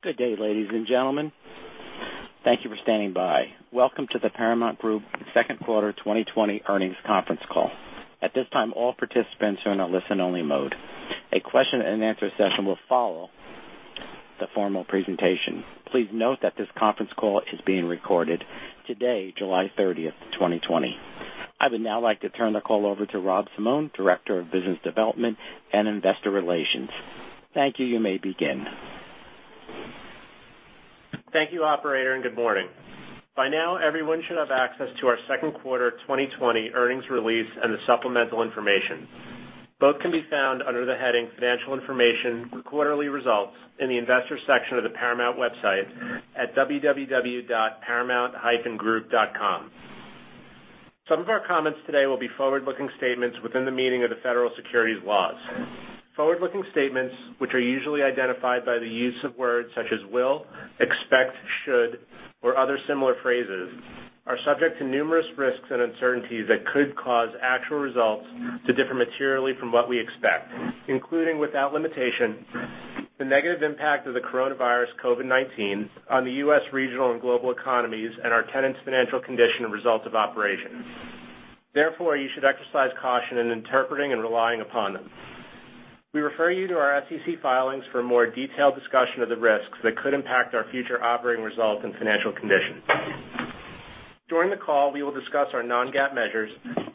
Good day, ladies and gentlemen. Thank you for standing by. Welcome to the Paramount Group second quarter 2020 earnings conference call. At this time, all participants are in a listen-only mode. A question and answer session will follow the formal presentation. Please note that this conference call is being recorded today, July 30th, 2020. I would now like to turn the call over to Rob Simone, Director of Business Development and Investor Relations. Thank you. You may begin. Thank you, operator, and good morning. By now, everyone should have access to our second quarter 2020 earnings release and the supplemental information. Both can be found under the heading Financial Information, Quarterly Results in the Investors section of the Paramount website at www.paramount-group.com. Some of our comments today will be forward-looking statements within the meaning of the federal securities laws. Forward-looking statements, which are usually identified by the use of words such as "will," "expect," "should," or other similar phrases, are subject to numerous risks and uncertainties that could cause actual results to differ materially from what we expect, including, without limitation, the negative impact of the coronavirus COVID-19 on the U.S. regional and global economies and our tenants' financial condition and results of operations. Therefore, you should exercise caution in interpreting and relying upon them. We refer you to our SEC filings for a more detailed discussion of the risks that could impact our future operating results and financial condition. During the call, we will discuss our non-GAAP measures,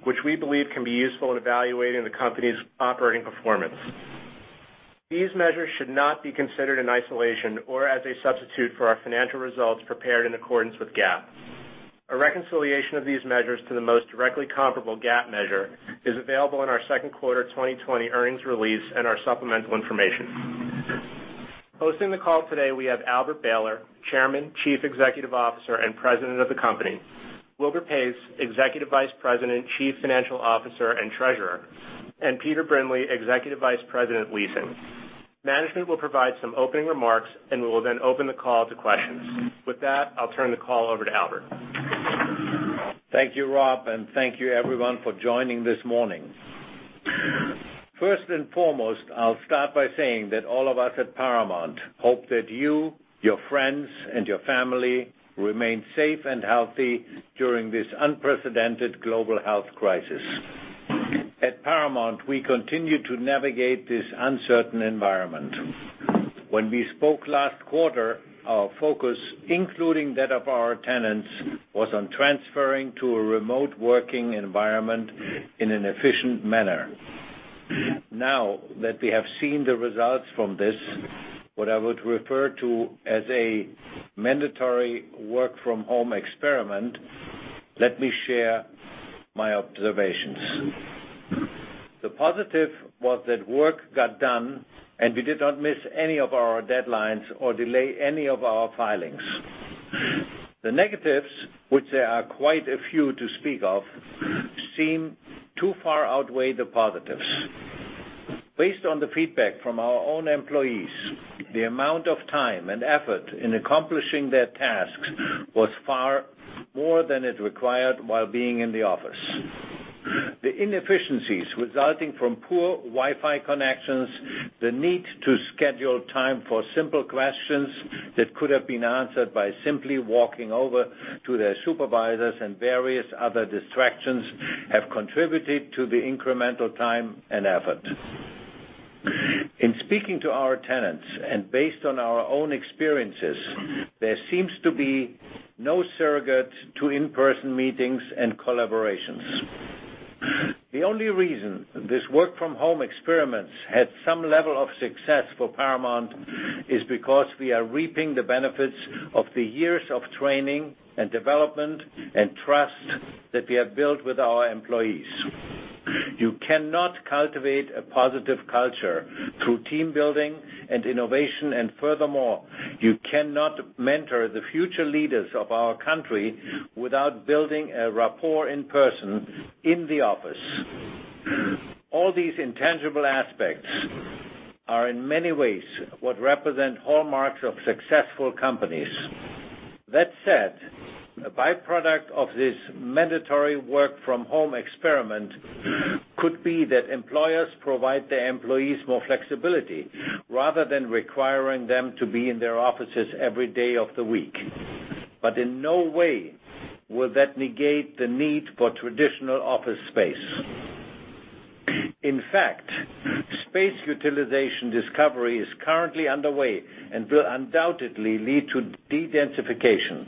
which we believe can be useful in evaluating the company's operating performance. These measures should not be considered in isolation or as a substitute for our financial results prepared in accordance with GAAP. A reconciliation of these measures to the most directly comparable GAAP measure is available in our second quarter 2020 earnings release and our supplemental information. Hosting the call today, we have Albert Behler, Chairman, Chief Executive Officer, and President of the company. Wilbur Paes, Executive Vice President, Chief Financial Officer, and Treasurer, and Peter Brindley, Executive Vice President, Leasing. Management will provide some opening remarks, and we will then open the call to questions. With that, I'll turn the call over to Albert. Thank you, Rob, and thank you everyone for joining this morning. First and foremost, I'll start by saying that all of us at Paramount hope that you, your friends, and your family remain safe and healthy during this unprecedented global health crisis. At Paramount, we continue to navigate this uncertain environment. When we spoke last quarter, our focus, including that of our tenants, was on transferring to a remote working environment in an efficient manner. Now that we have seen the results from this, what I would refer to as a mandatory work-from-home experiment, let me share my observations. The positive was that work got done, and we did not miss any of our deadlines or delay any of our filings. The negatives, which there are quite a few to speak of, seem to far outweigh the positives. Based on the feedback from our own employees, the amount of time and effort in accomplishing their tasks was far more than it required while being in the office. The inefficiencies resulting from poor Wi-Fi connections, the need to schedule time for simple questions that could have been answered by simply walking over to their supervisors, and various other distractions have contributed to the incremental time and effort. In speaking to our tenants and based on our own experiences, there seems to be no surrogate to in-person meetings and collaborations. The only reason this work-from-home experiment had some level of success for Paramount is because we are reaping the benefits of the years of training and development and trust that we have built with our employees. You cannot cultivate a positive culture through team building and innovation, and furthermore, you cannot mentor the future leaders of our country without building a rapport in person in the office. All these intangible aspects are in many ways what represent hallmarks of successful companies. In no way will that negate the need for traditional office space. Space utilization discovery is currently underway and will undoubtedly lead to dedensification.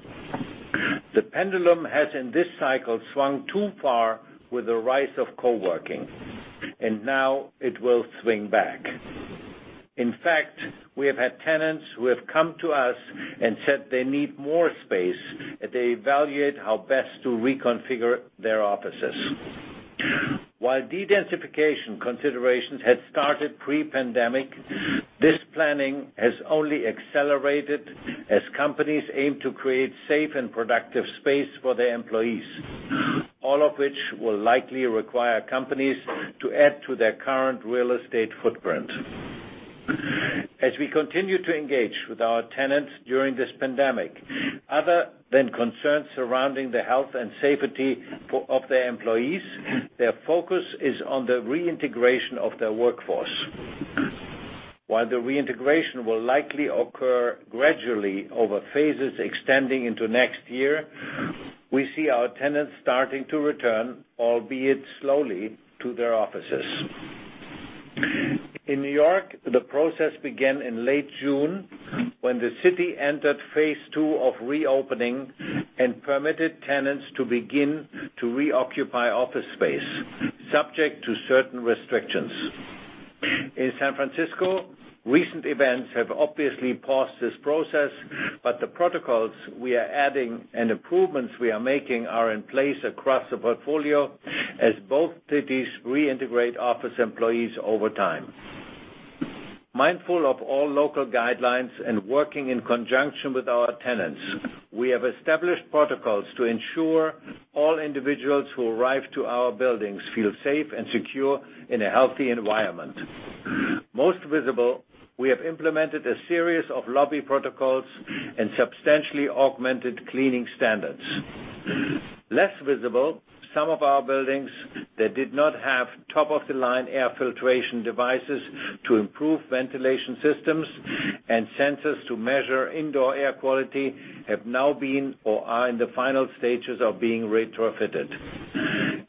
The pendulum has in this cycle swung too far with the rise of co-working, and now it will swing back. We have had tenants who have come to us and said they need more space as they evaluate how best to reconfigure their offices. While dedensification considerations had started pre-pandemic, this planning has only accelerated as companies aim to create safe and productive space for their employees. All of which will likely require companies to add to their current real estate footprint. As we continue to engage with our tenants during this pandemic, other than concerns surrounding the health and safety of their employees, their focus is on the reintegration of their workforce. The reintegration will likely occur gradually over phases extending into next year, we see our tenants starting to return, albeit slowly, to their offices. In New York, the process began in late June, when the city entered phase II of reopening and permitted tenants to begin to reoccupy office space, subject to certain restrictions. In San Francisco, recent events have obviously paused this process, but the protocols we are adding and improvements we are making are in place across the portfolio, as both cities reintegrate office employees over time. Mindful of all local guidelines and working in conjunction with our tenants, we have established protocols to ensure all individuals who arrive to our buildings feel safe and secure in a healthy environment. Most visible, we have implemented a series of lobby protocols and substantially augmented cleaning standards. Less visible, some of our buildings that did not have top-of-the-line air filtration devices to improve ventilation systems and sensors to measure indoor air quality have now been, or are in the final stages of being retrofitted.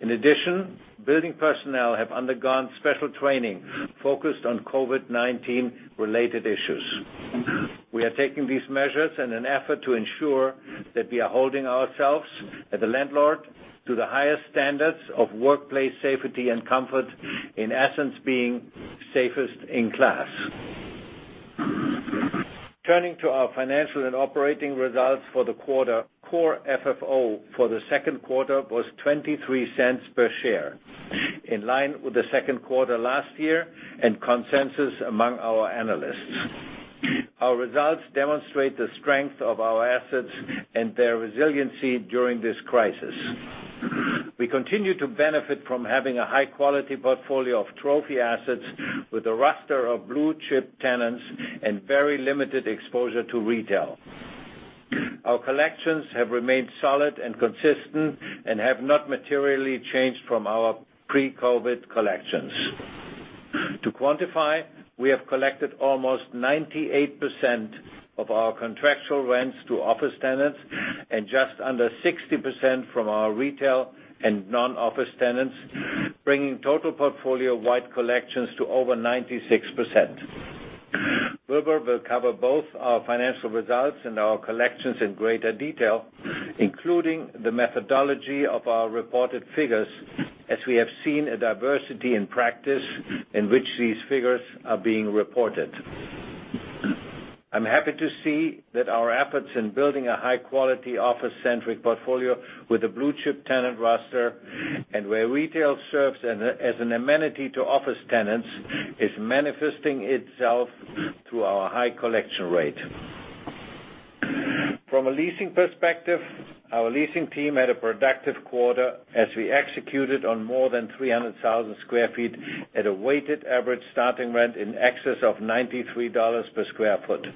In addition, building personnel have undergone special training focused on COVID-19 related issues. We are taking these measures in an effort to ensure that we are holding ourselves, as a landlord, to the highest standards of workplace safety and comfort, in essence, being safest in class. Turning to our financial and operating results for the quarter. Core FFO for the second quarter was $0.23 per share, in line with the second quarter last year and consensus among our analysts. Our results demonstrate the strength of our assets and their resiliency during this crisis. We continue to benefit from having a high-quality portfolio of trophy assets with a roster of blue-chip tenants and very limited exposure to retail. Our collections have remained solid and consistent and have not materially changed from our pre-COVID collections. To quantify, we have collected almost 98% of our contractual rents to office tenants and just under 60% from our retail and non-office tenants, bringing total portfolio-wide collections to over 96%. Wilbur will cover both our financial results and our collections in greater detail, including the methodology of our reported figures, as we have seen a diversity in practice in which these figures are being reported. I'm happy to see that our efforts in building a high-quality office centric portfolio with a blue-chip tenant roster and where retail serves as an amenity to office tenants, is manifesting itself through our high collection rate. From a leasing perspective, our leasing team had a productive quarter as we executed on more than 300,000 sq ft at a weighted average starting rent in excess of $93/sq ft.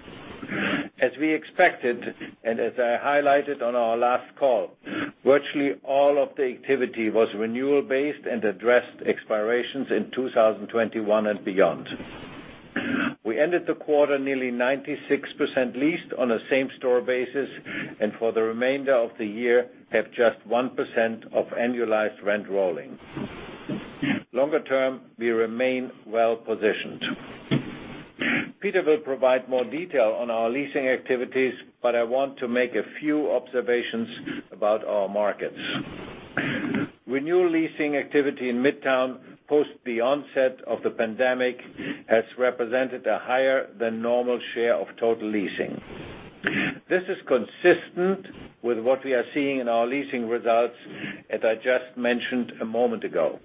As we expected, as I highlighted on our last call, virtually all of the activity was renewal based and addressed expirations in 2021 and beyond. We ended the quarter nearly 96% leased on a same-store basis, and for the remainder of the year have just 1% of annualized rent rolling. Longer term, we remain well positioned. Peter will provide more detail on our leasing activities, but I want to make a few observations about our markets. Renewal leasing activity in Midtown post the onset of the pandemic has represented a higher than normal share of total leasing. This is consistent with what we are seeing in our leasing results that I just mentioned a moment ago.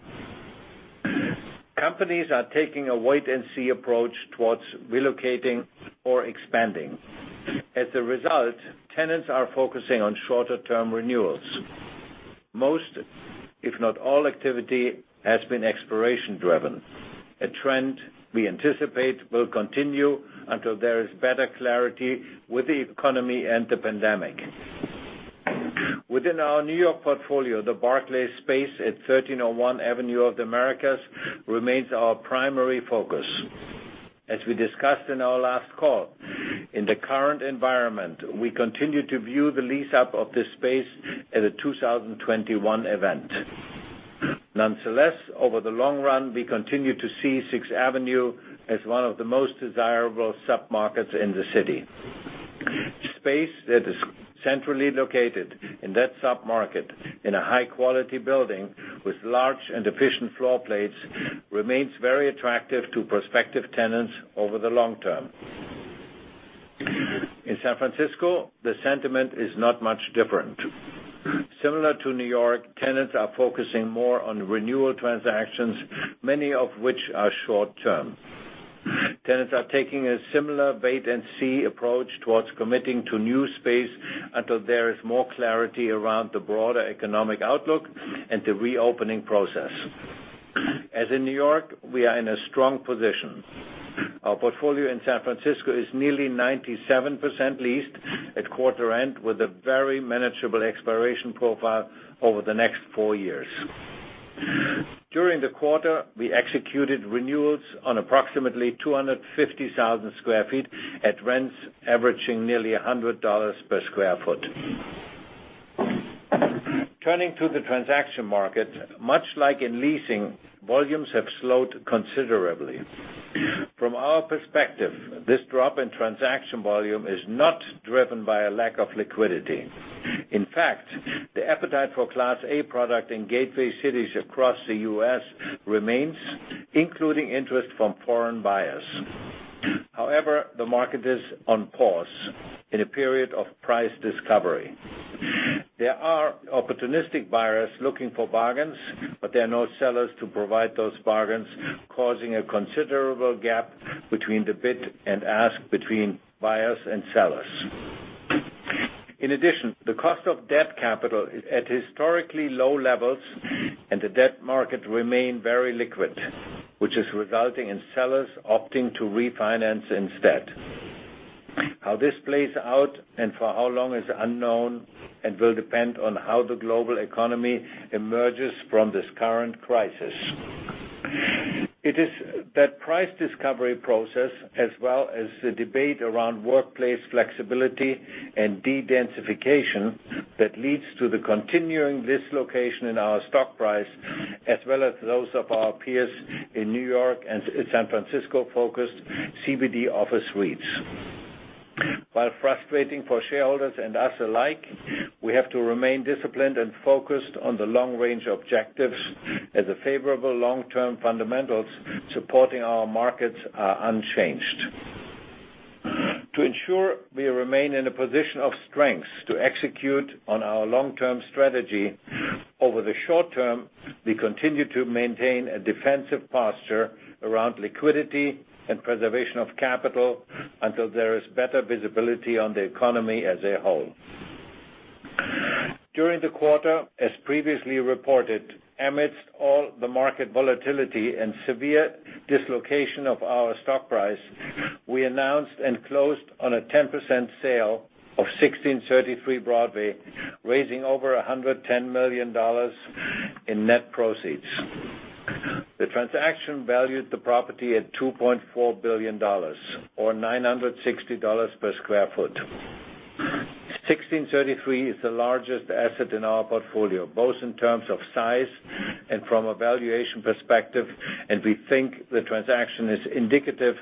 Companies are taking a wait and see approach towards relocating or expanding. As a result, tenants are focusing on shorter term renewals. Most, if not all activity, has been expiration driven, a trend we anticipate will continue until there is better clarity with the economy and the pandemic. Within our New York portfolio, the Barclays space at 1301 Avenue of the Americas remains our primary focus. As we discussed in our last call, in the current environment, we continue to view the lease-up of this space as a 2021 event. Nonetheless, over the long run, we continue to see Sixth Avenue as one of the most desirable submarkets in the city. Space that is centrally located in that submarket in a high-quality building with large and efficient floor plates remains very attractive to prospective tenants over the long term. In San Francisco, the sentiment is not much different. Similar to New York, tenants are focusing more on renewal transactions, many of which are short term. Tenants are taking a similar wait and see approach towards committing to new space until there is more clarity around the broader economic outlook and the reopening process. As in New York, we are in a strong position. Our portfolio in San Francisco is nearly 97% leased at quarter end with a very manageable expiration profile over the next four years. During the quarter, we executed renewals on approximately 250,000 sq ft at rents averaging nearly $100 per square feet. Turning to the transaction market, much like in leasing, volumes have slowed considerably. From our perspective, this drop in transaction volume is not driven by a lack of liquidity. In fact, the appetite for Class A product in gateway cities across the U.S. remains, including interest from foreign buyers. However, the market is on pause in a period of price discovery. There are opportunistic buyers looking for bargains, but there are no sellers to provide those bargains, causing a considerable gap between the bid and ask between buyers and sellers. In addition, the cost of debt capital is at historically low levels, and the debt market remain very liquid, which is resulting in sellers opting to refinance instead. How this plays out and for how long is unknown and will depend on how the global economy emerges from this current crisis. It is that price discovery process, as well as the debate around workplace flexibility and dedensification, that leads to the continuing dislocation in our stock price, as well as those of our peers in New York and San Francisco-focused CBD office REITs. While frustrating for shareholders and us alike, we have to remain disciplined and focused on the long range objectives as the favorable long-term fundamentals supporting our markets are unchanged. To ensure we remain in a position of strength to execute on our long-term strategy, over the short term, we continue to maintain a defensive posture around liquidity and preservation of capital until there is better visibility on the economy as a whole. During the quarter, as previously reported, amidst all the market volatility and severe dislocation of our stock price, we announced and closed on a 10% sale of 1633 Broadway, raising over $110 million in net proceeds. The transaction valued the property at $2.4 billion, or $960 per square foot. 1633 is the largest asset in our portfolio, both in terms of size and from a valuation perspective, and we think the transaction is indicative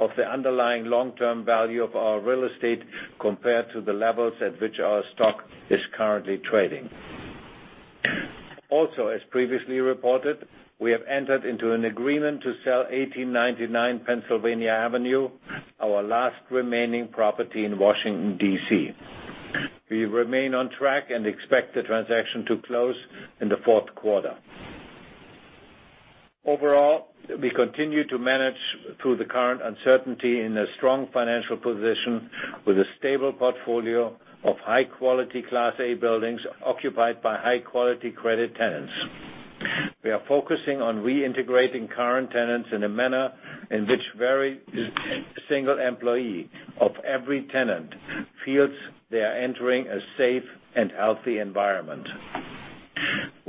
of the underlying long-term value of our real estate compared to the levels at which our stock is currently trading. As previously reported, we have entered into an agreement to sell 1899 Pennsylvania Avenue, our last remaining property in Washington, D.C. We remain on track and expect the transaction to close in the fourth quarter. Overall, we continue to manage through the current uncertainty in a strong financial position with a stable portfolio of high-quality Class A buildings occupied by high-quality credit tenants. We are focusing on reintegrating current tenants in a manner in which every single employee of every tenant feels they are entering a safe and healthy environment.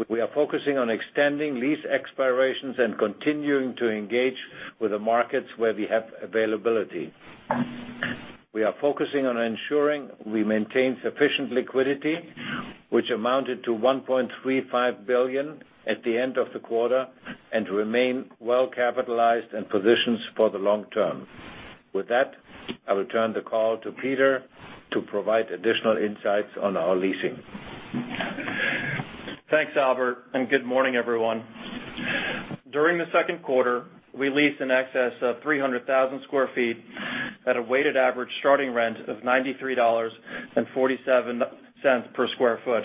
We are focusing on extending lease expirations and continuing to engage with the markets where we have availability. We are focusing on ensuring we maintain sufficient liquidity, which amounted to $1.35 billion at the end of the quarter, and remain well capitalized and positioned for the long term. With that, I will turn the call to Peter to provide additional insights on our leasing. Thanks, Albert, and good morning, everyone. During the second quarter, we leased in excess of 300,000 sq ft at a weighted average starting rent of $93.47 per square foot.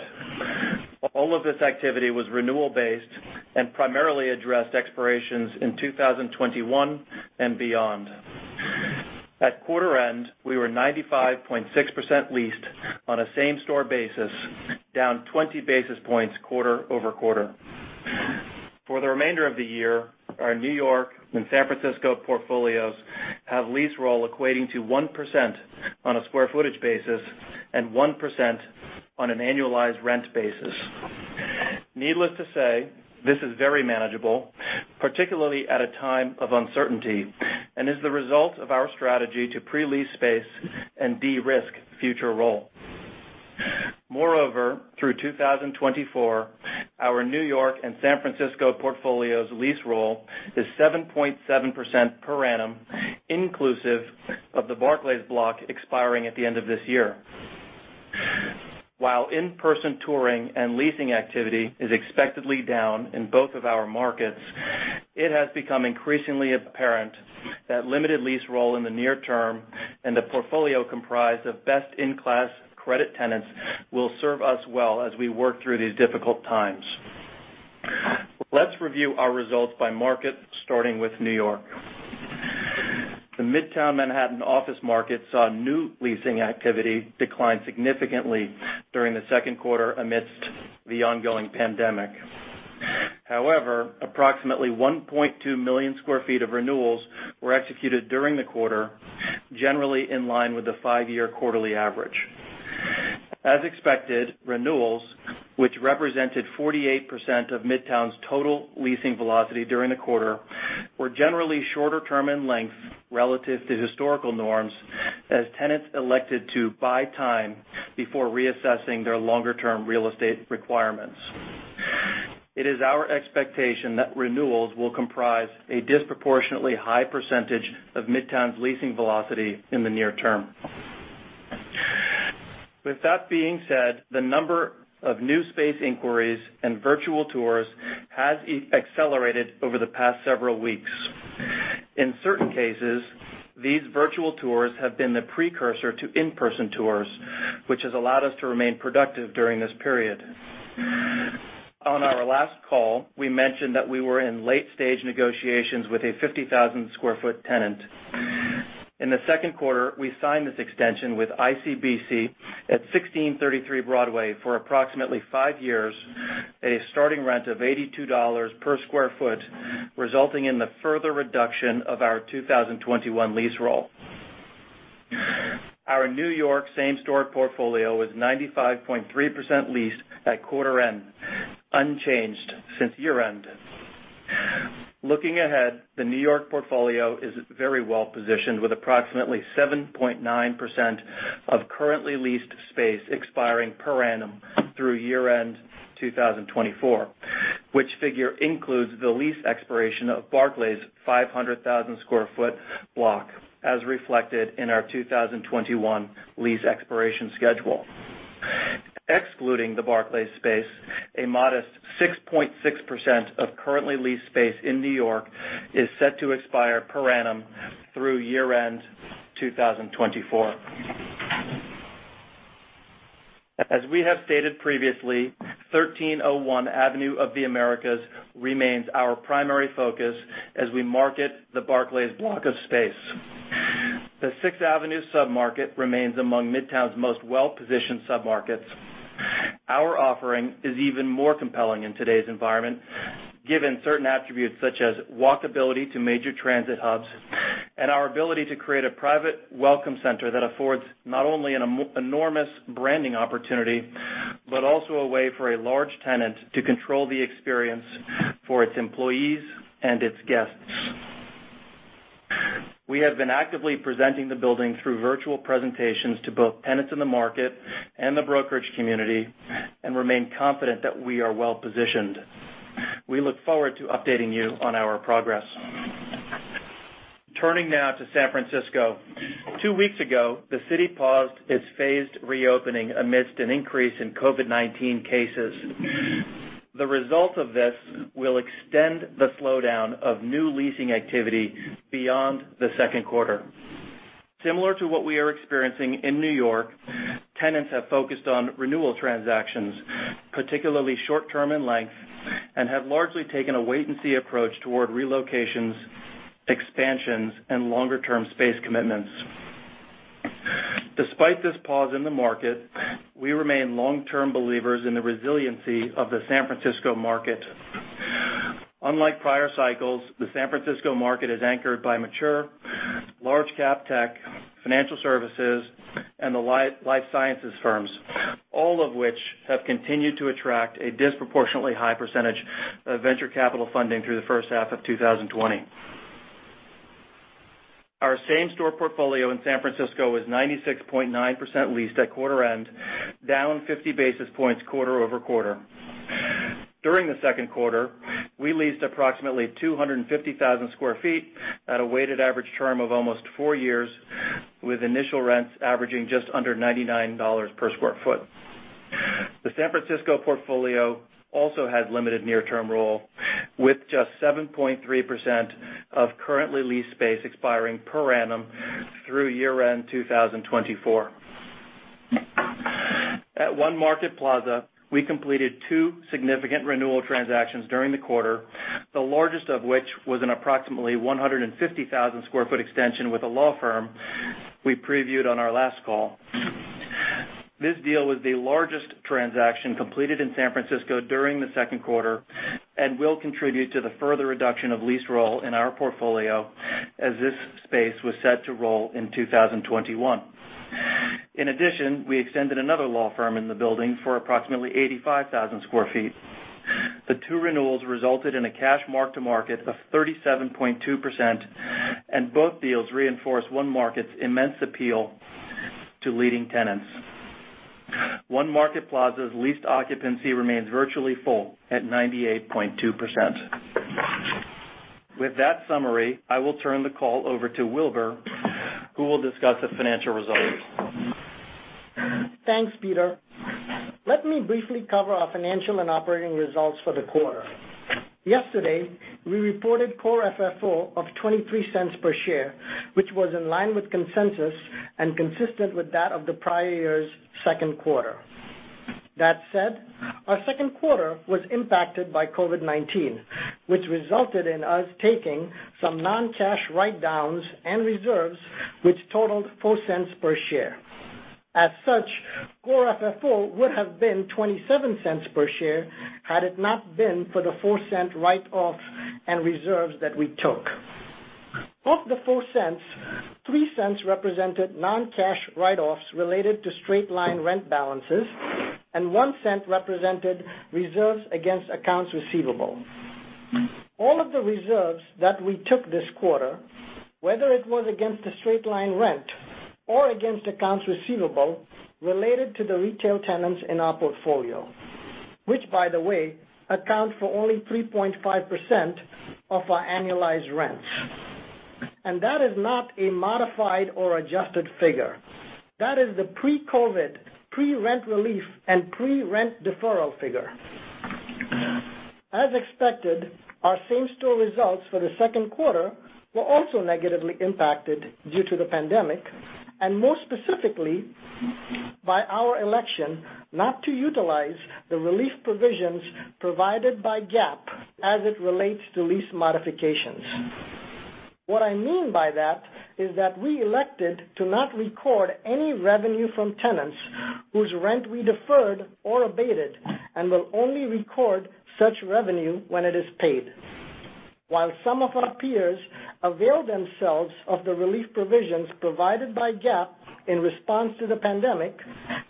All of this activity was renewal based and primarily addressed expirations in 2021 and beyond. At quarter end, we were 95.6% leased on a same-store basis, down 20 basis points quarter-over-quarter. For the remainder of the year, our New York and San Francisco portfolios have lease roll equating to 1% on a square foot basis and 1% on an annualized rent basis. Needless to say, this is very manageable, particularly at a time of uncertainty, and is the result of our strategy to pre-lease space and de-risk future roll. Moreover, through 2024, our New York and San Francisco portfolio's lease roll is 7.7% per annum inclusive of the Barclays block expiring at the end of this year. While in-person touring and leasing activity is expectedly down in both of our markets, it has become increasingly apparent that limited lease roll in the near term and the portfolio comprised of best-in-class credit tenants will serve us well as we work through these difficult times. Let's review our results by market, starting with New York. The Midtown Manhattan office market saw new leasing activity decline significantly during the second quarter amidst the ongoing pandemic. Approximately 1.2 million square feet of renewals were executed during the quarter, generally in line with the five-year quarterly average. As expected, renewals, which represented 48% of Midtown's total leasing velocity during the quarter, were generally shorter term in length relative to historical norms as tenants elected to buy time before reassessing their longer-term real estate requirements. It is our expectation that renewals will comprise a disproportionately high percentage of Midtown's leasing velocity in the near term. With that being said, the number of new space inquiries and virtual tours has accelerated over the past several weeks. In certain cases, these virtual tours have been the precursor to in-person tours, which has allowed us to remain productive during this period. On our last call, we mentioned that we were in late stage negotiations with a 50,000 sq ft tenant. In the second quarter, we signed this extension with ICBC at 1633 Broadway for approximately five years at a starting rent of $82 per square foot, resulting in the further reduction of our 2021 lease roll. Our New York same-store portfolio was 95.3% leased at quarter end, unchanged since year end. Looking ahead, the New York portfolio is very well positioned with approximately 7.9% of currently leased space expiring per annum through year end 2024, which figure includes the lease expiration of Barclays' 500,000 sq ft block, as reflected in our 2021 lease expiration schedule. Excluding the Barclays space, a modest 6.6% of currently leased space in New York is set to expire per annum through year end 2024. As we have stated previously, 1301 Avenue of the Americas remains our primary focus as we market the Barclays block of space. The Sixth Avenue sub-market remains among Midtown's most well-positioned sub-markets. Our offering is even more compelling in today's environment, given certain attributes such as walkability to major transit hubs and our ability to create a private welcome center that affords not only an enormous branding opportunity, but also a way for a large tenant to control the experience for its employees and its guests. We have been actively presenting the building through virtual presentations to both tenants in the market and the brokerage community, and remain confident that we are well positioned. We look forward to updating you on our progress. Turning now to San Francisco. Two weeks ago, the city paused its phased reopening amidst an increase in COVID-19 cases. The result of this will extend the slowdown of new leasing activity beyond the second quarter. Similar to what we are experiencing in New York, tenants have focused on renewal transactions, particularly short term in length, and have largely taken a wait and see approach toward relocations, expansions, and longer-term space commitments. Despite this pause in the market, we remain long-term believers in the resiliency of the San Francisco market. Unlike prior cycles, the San Francisco market is anchored by mature, large cap tech, financial services, and the life sciences firms, all of which have continued to attract a disproportionately high percentage of venture capital funding through the first half of 2020. Our same-store portfolio in San Francisco was 96.9% leased at quarter end, down 50 basis points quarter-over-quarter. During the second quarter, we leased approximately 250,000 sq ft at a weighted average term of almost four years, with initial rents averaging just under $99/sq ft. The San Francisco portfolio also has limited near-term roll, with just 7.3% of currently leased space expiring per annum through year end 2024. At One Market Plaza, we completed two significant renewal transactions during the quarter, the largest of which was an approximately 150,000 sq ft extension with a law firm we previewed on our last call. This deal was the largest transaction completed in San Francisco during the second quarter and will contribute to the further reduction of lease roll in our portfolio as this space was set to roll in 2021. In addition, we extended another law firm in the building for approximately 85,000 square feet. The two renewals resulted in a cash mark-to-market of 37.2%, and both deals reinforced One Market's immense appeal to leading tenants. One Market Plaza's leased occupancy remains virtually full at 98.2%. With that summary, I will turn the call over to Wilbur, who will discuss the financial results. Thanks, Peter. Let me briefly cover our financial and operating results for the quarter. Yesterday, we reported Core FFO of $0.23 per share, which was in line with consensus and consistent with that of the prior year's second quarter. That said, our second quarter was impacted by COVID-19, which resulted in us taking some non-cash write-downs and reserves, which totaled $0.04 per share. As such, Core FFO would have been $0.27 per share had it not been for the $0.04 write-off and reserves that we took. Of the $0.04, $0.03 represented non-cash write-offs related to straight-line rent balances, and $0.01 represented reserves against accounts receivable. All of the reserves that we took this quarter, whether it was against the straight-line rent or against accounts receivable, related to the retail tenants in our portfolio, which, by the way, account for only 3.5% of our annualized rents. That is not a modified or adjusted figure. That is the pre-COVID, pre-rent relief, and pre-rent deferral figure. As expected, our same-store results for the second quarter were also negatively impacted due to the pandemic, and more specifically, by our election not to utilize the relief provisions provided by GAAP as it relates to lease modifications. What I mean by that is that we elected to not record any revenue from tenants whose rent we deferred or abated and will only record such revenue when it is paid. While some of our peers avail themselves of the relief provisions provided by GAAP in response to the pandemic,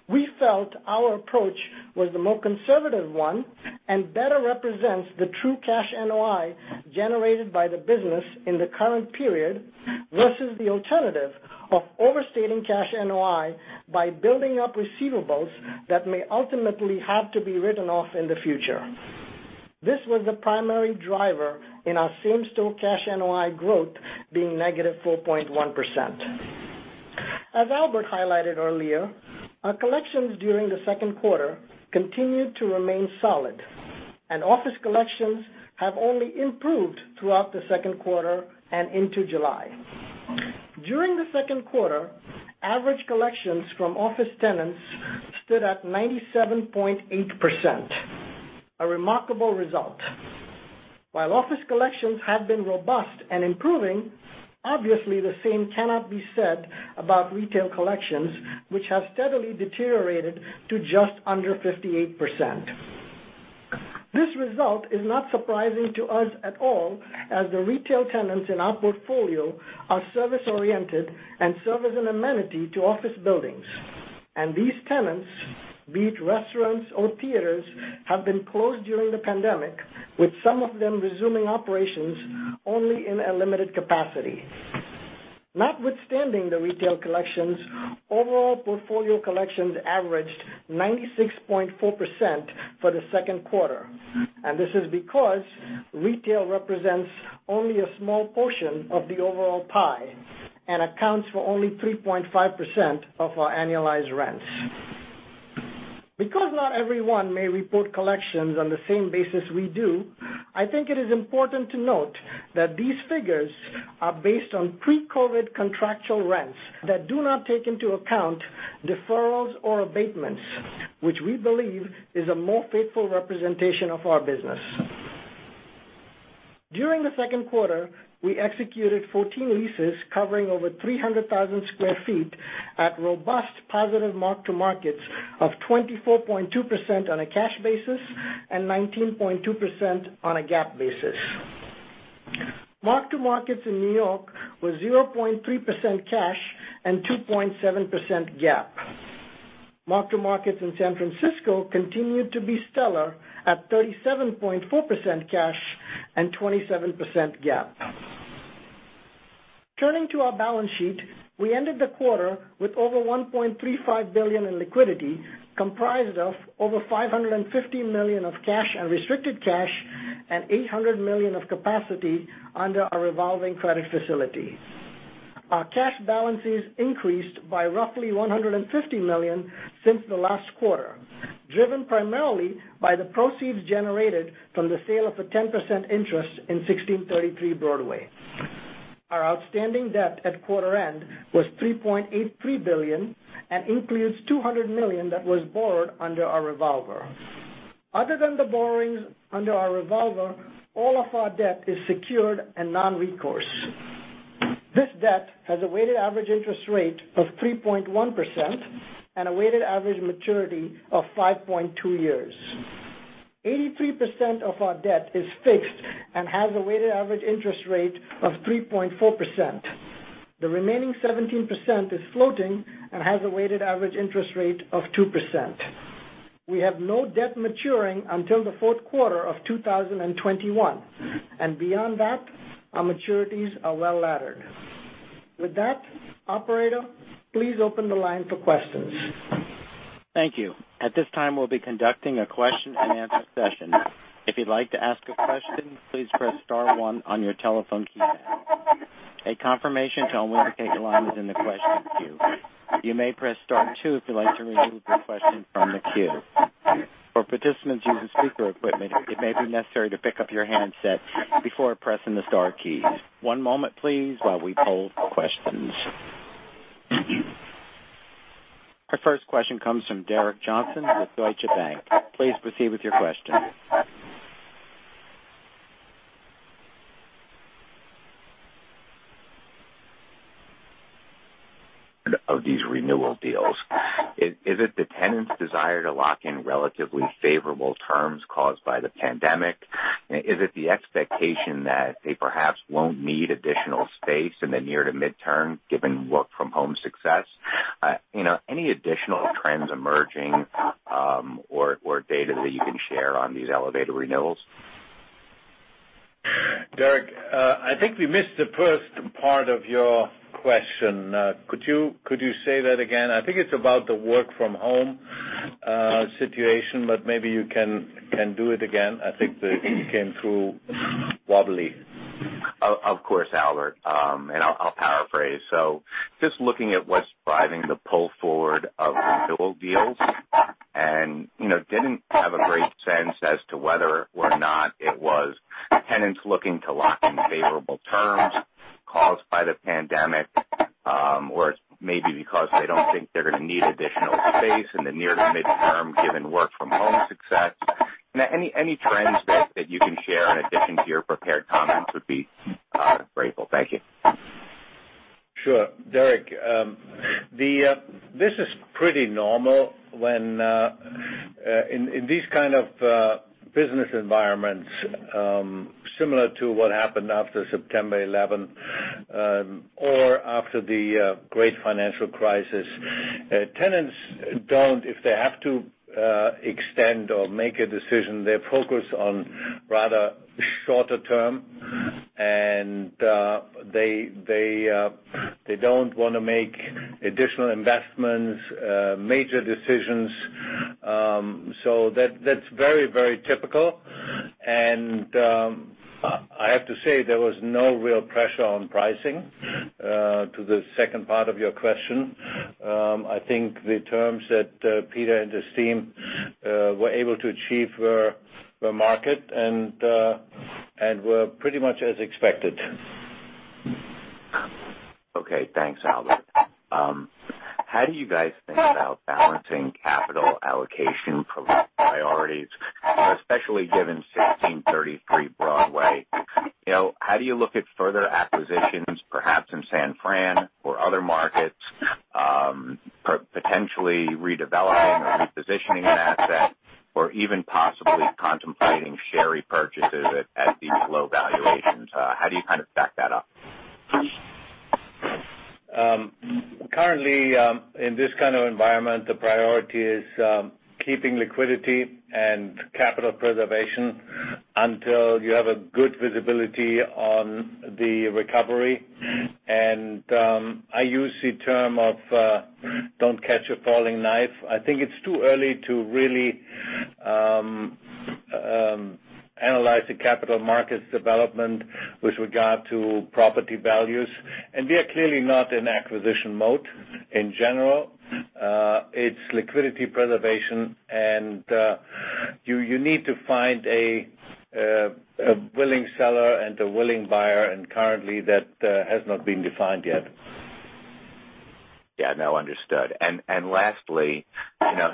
we felt our approach was the more conservative one and better represents the true cash NOI generated by the business in the current period versus the alternative of overstating cash NOI by building up receivables that may ultimately have to be written off in the future. This was the primary driver in our same-store cash NOI growth being -4.1%. As Albert highlighted earlier, our collections during the second quarter continued to remain solid. Office collections have only improved throughout the second quarter and into July. During the second quarter, average collections from office tenants stood at 97.8%, a remarkable result. While office collections have been robust and improving, obviously, the same cannot be said about retail collections, which have steadily deteriorated to just under 58%. This result is not surprising to us at all, as the retail tenants in our portfolio are service-oriented and serve as an amenity to office buildings. These tenants, be it restaurants or theaters, have been closed during the pandemic, with some of them resuming operations only in a limited capacity. Notwithstanding the retail collections, overall portfolio collections averaged 96.4% for the second quarter, and this is because retail represents only a small portion of the overall pie and accounts for only 3.5% of our annualized rents. Because not everyone may report collections on the same basis we do, I think it is important to note that these figures are based on pre-COVID-19 contractual rents that do not take into account deferrals or abatements, which we believe is a more faithful representation of our business. During the second quarter, we executed 14 leases covering over 300,000 sq ft at robust positive mark-to-markets of 24.2% on a cash basis and 19.2% on a GAAP basis. Mark-to-markets in New York were 0.3% cash and 2.7% GAAP. Mark-to-markets in San Francisco continued to be stellar at 37.4% cash and 27% GAAP. Turning to our balance sheet, we ended the quarter with over $1.35 billion in liquidity, comprised of over $550 million of cash and restricted cash and $800 million of capacity under our revolving credit facility. Our cash balances increased by roughly $150 million since the last quarter, driven primarily by the proceeds generated from the sale of a 10% interest in 1633 Broadway. Our outstanding debt at quarter end was $3.83 billion and includes $200 million that was borrowed under our revolver. Other than the borrowings under our revolver, all of our debt is secured and non-recourse. This debt has a weighted average interest rate of 3.1% and a weighted average maturity of 5.2 years. 83% of our debt is fixed and has a weighted average interest rate of 3.4%. The remaining 17% is floating and has a weighted average interest rate of 2%. We have no debt maturing until the fourth quarter of 2021, and beyond that, our maturities are well-laddered. With that, operator, please open the line for questions. Thank you. At this time, we'll be conducting a question-and-answer session. If you'd like to ask a question, please press star one on your telephone keypad. A confirmation tone will indicate your line is in the questions queue. You may press star two if you'd like to remove your question from the queue. For participants using speaker equipment, it may be necessary to pick up your handset before pressing the star keys. One moment please while we poll for questions. Our first question comes from Derek Johnston with Deutsche Bank. Please proceed with your question. Of these renewal deals. Is it the tenant's desire to lock in relatively favorable terms caused by the pandemic? Is it the expectation that they perhaps won't need additional space in the near to midterm, given work from home success? Any additional trends emerging, or data that you can share on these elevated renewals? Derek, I think we missed the first part of your question. Could you say that again? I think it's about the work from home situation, but maybe you can do it again. I think it came through wobbly. Of course, Albert. I'll paraphrase. Just looking at what's driving the pull forward of renewal deals and didn't have a great sense as to whether or not it was tenants looking to lock in favorable terms caused by the pandemic, or maybe because they don't think they're going to need additional space in the near to mid-term, given work from home success. Any trends that you can share in addition to your prepared comments would be grateful. Thank you. Sure. Derek, this is pretty normal when in these kind of business environments, similar to what happened after September 11th, or after the great financial crisis. Tenants, if they have to extend or make a decision, they're focused on rather shorter term, and they don't want to make additional investments, major decisions. That's very typical, and I have to say, there was no real pressure on pricing, to the second part of your question. I think the terms that Peter and his team were able to achieve were market and were pretty much as expected. Okay. Thanks, Albert. How do you guys think about balancing capital allocation priorities, especially given 1633 Broadway? How do you look at further acquisitions, perhaps in San Fran or other markets, potentially redeveloping or repositioning an asset or even possibly contemplating share repurchases at these low valuations? How do you kind of back that up? Currently, in this kind of environment, the priority is keeping liquidity and capital preservation until you have a good visibility on the recovery. I use the term of, don't catch a falling knife. I think it's too early to really analyze the capital markets development with regard to property values, and we are clearly not in acquisition mode in general. It's liquidity preservation, and you need to find a willing seller and a willing buyer, and currently that has not been defined yet. Yeah. No, understood. Lastly,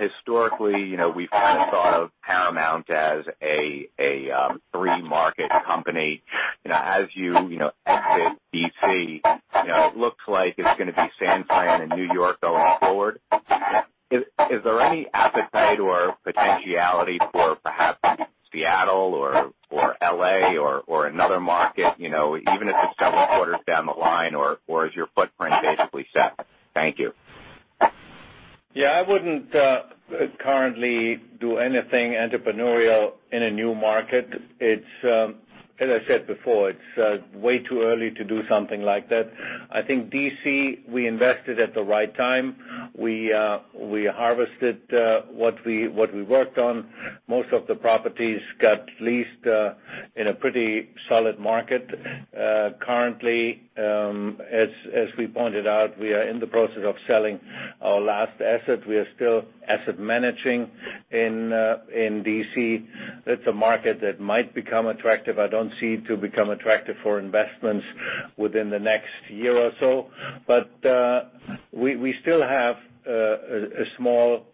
historically, we've kind of thought of Paramount as a three-market company. As you exit D.C., it looks like it's going to be San Fran and New York going forward. Is there any appetite or potentiality for perhaps Seattle or L.A. or another market, even if it's several quarters down the line, or is your footprint basically set? Thank you. Yeah, I wouldn't currently do anything entrepreneurial in a new market. As I said before, it's way too early to do something like that. I think D.C., we invested at the right time. We harvested what we worked on. Most of the properties got leased in a pretty solid market. Currently, as we pointed out, we are in the process of selling our last asset. We are still asset managing in D.C. That's a market that might become attractive. I don't see it to become attractive for investments within the next year or so. We still have a small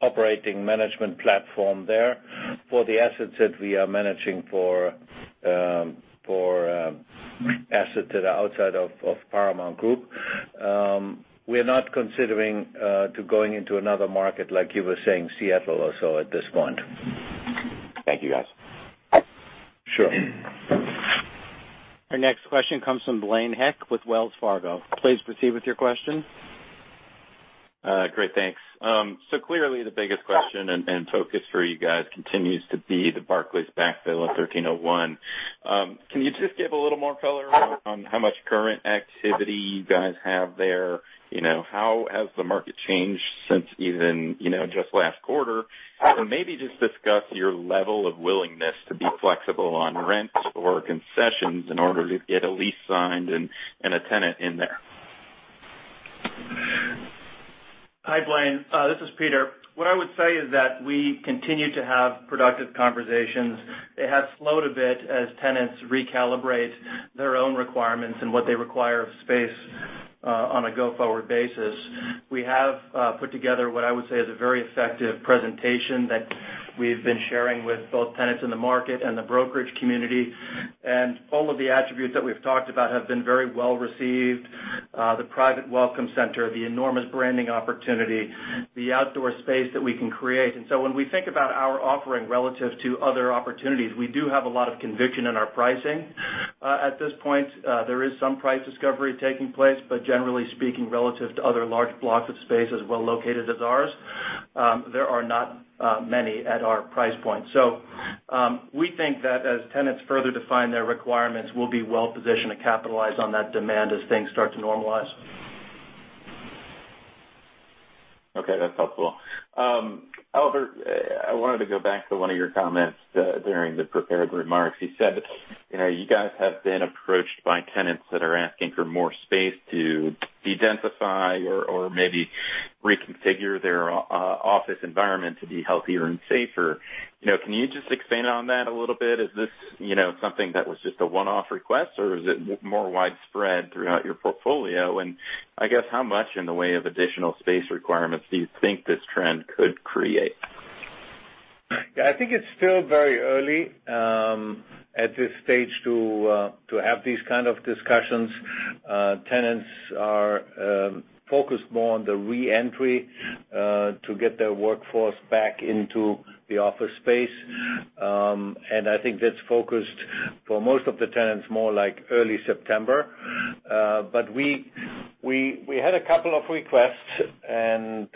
operating management platform there for the assets that we are managing for assets that are outside of Paramount Group. We're not considering to going into another market like you were saying, Seattle or so at this point. Thank you, guys. Sure. Our next question comes from Blaine Heck with Wells Fargo. Please proceed with your question. Great. Thanks. Clearly the biggest question and focus for you guys continues to be the Barclays backfill at 1301. Can you just give a little more color on how much current activity you guys have there? How has the market changed since even just last quarter? Maybe just discuss your level of willingness to be flexible on rent or concessions in order to get a lease signed and a tenant in there. Hi, Blaine. This is Peter. What I would say is that we continue to have productive conversations. It has slowed a bit as tenants recalibrate their own requirements and what they require of space on a go-forward basis. We have put together what I would say is a very effective presentation that we've been sharing with both tenants in the market and the brokerage community. All of the attributes that we've talked about have been very well-received. The private welcome center, the enormous branding opportunity, the outdoor space that we can create. When we think about our offering relative to other opportunities, we do have a lot of conviction in our pricing. At this point, there is some price discovery taking place. Generally speaking, relative to other large blocks of space as well located as ours, there are not many at our price point. We think that as tenants further define their requirements, we'll be well positioned to capitalize on that demand as things start to normalize. Okay, that's helpful. Albert, I wanted to go back to one of your comments during the prepared remarks. You said, you guys have been approached by tenants that are asking for more space to dedensify or maybe reconfigure their office environment to be healthier and safer. Can you just expand on that a little bit? Is this something that was just a one-off request, or is it more widespread throughout your portfolio? I guess how much in the way of additional space requirements do you think this trend could create? Yeah, I think it's still very early at this stage to have these kind of discussions. Tenants are focused more on the re-entry to get their workforce back into the office space. I think that's focused for most of the tenants, more like early September. We had a couple of requests, and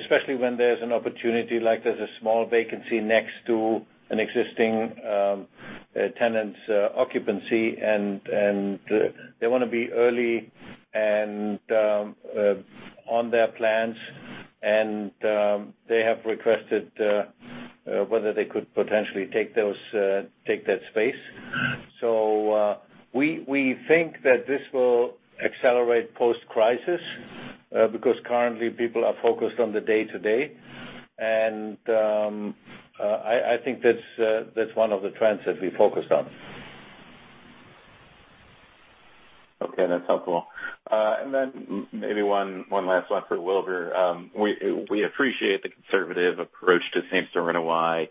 especially when there's an opportunity, like there's a small vacancy next to an existing tenant's occupancy, and they want to be early on their plans, and they have requested whether they could potentially take that space. We think that this will accelerate post-crisis, because currently people are focused on the day-to-day. I think that's one of the trends that we focused on. Okay. That's helpful. Maybe one last one for Wilbur. We appreciate the conservative approach to same-store NOI.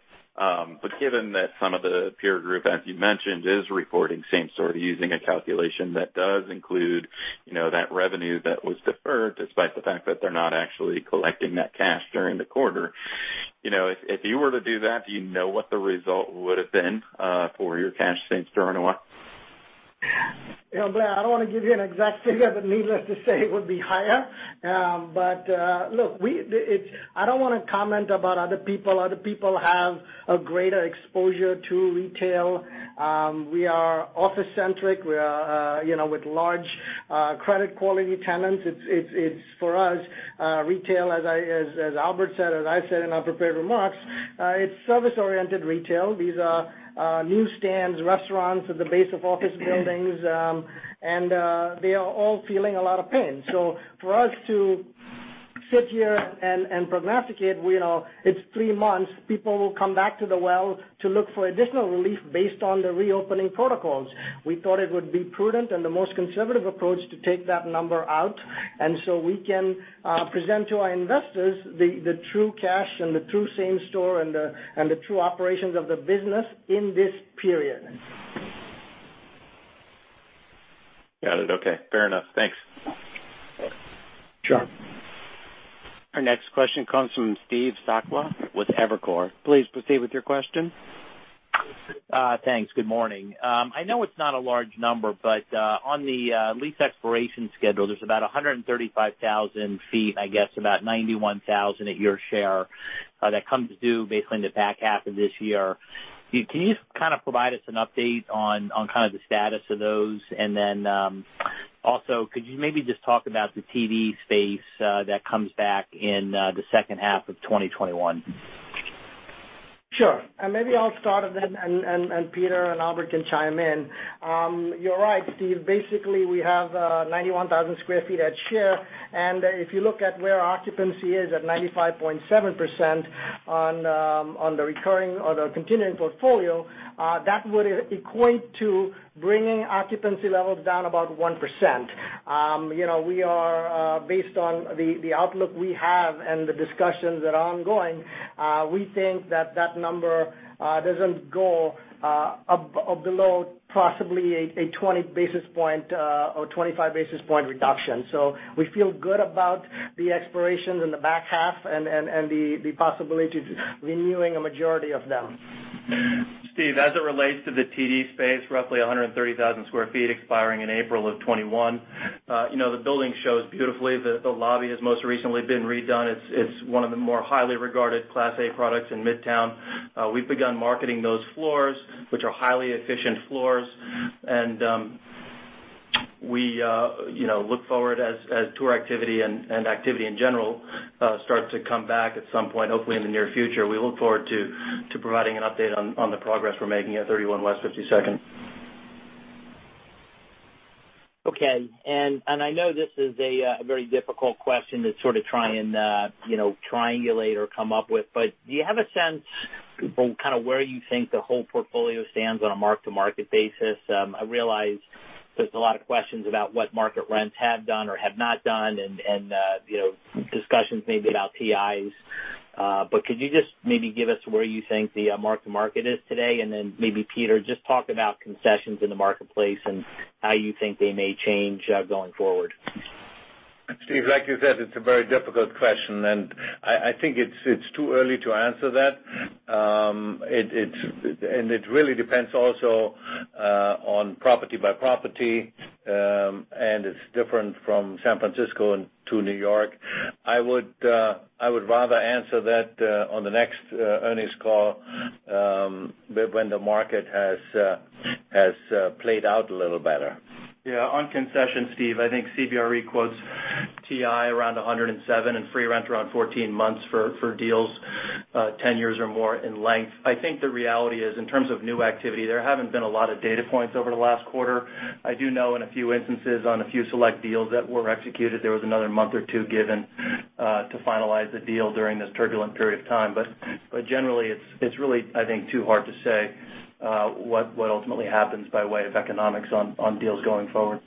Given that some of the peer group, as you mentioned, is reporting same-store using a calculation that does include that revenue that was deferred, despite the fact that they're not actually collecting that cash during the quarter. If you were to do that, do you know what the result would have been for your cash same-store NOI? Yeah, Blaine, I don't want to give you an exact figure, but needless to say, it would be higher. Look, I don't want to comment about other people. Other people have a greater exposure to retail. We are office-centric with large credit quality tenants. It's for us, retail, as Albert said, as I said in our prepared remarks, it's service-oriented retail. These are newsstands, restaurants at the base of office buildings. They are all feeling a lot of pain. For us to sit here and prognosticate, it's three months, people will come back to the well to look for additional relief based on the reopening protocols. We thought it would be prudent and the most conservative approach to take that number out, and so we can present to our investors the true cash and the true same-store, and the true operations of the business in this period. Got it. Okay. Fair enough. Thanks. Sure. Our next question comes from Steve Sakwa with Evercore. Please proceed with your question. Thanks. Good morning. I know it's not a large number, but on the lease expiration schedule, there's about 135,000 feet, I guess about 91,000 at your share that comes due basically in the back half of this year. Can you kind of provide us an update on kind of the status of those? Then also, could you maybe just talk about the TD space that comes back in the second half of 2021? Sure. Maybe I'll start, and then Peter and Albert can chime in. You're right, Steve. Basically, we have 91,000 sq ft at share. If you look at where occupancy is at 95.7% on the recurring or the continuing portfolio, that would equate to bringing occupancy levels down about 1%. Based on the outlook we have and the discussions that are ongoing, we think that that number doesn't go below possibly a 20 basis point or 25 basis point reduction. We feel good about the expirations in the back half and the possibility to renewing a majority of them. Steve, as it relates to the TD space, roughly 130,000 sq ft expiring in April of 2021. The building shows beautifully. The lobby has most recently been redone. It's one of the more highly regarded Class A products in Midtown. We've begun marketing those floors, which are highly efficient floors. We look forward as tour activity and activity in general starts to come back at some point, hopefully in the near future. We look forward to providing an update on the progress we're making at 31 West 52nd. Okay. I know this is a very difficult question to sort of try and triangulate or come up with, but do you have a sense kind of where you think the whole portfolio stands on a mark-to-market basis? I realize there's a lot of questions about what market rents have done or have not done and discussions maybe about TIs. Could you just maybe give us where you think the mark-to-market is today, and then maybe Peter, just talk about concessions in the marketplace and how you think they may change going forward. Steve, like you said, it's a very difficult question, I think it's too early to answer that. It really depends also on property by property, and it's different from San Francisco to New York. I would rather answer that on the next earnings call, when the market has played out a little better. On concessions, Steve, I think CBRE quotes TI around 107 and free rent around 14 months for deals 10 years or more in length. I think the reality is, in terms of new activity, there haven't been a lot of data points over the last quarter. I do know in a few instances, on a few select deals that were executed, there was another month or two given to finalize the deal during this turbulent period of time. Generally, it's really, I think, too hard to say what ultimately happens by way of economics on deals going forward.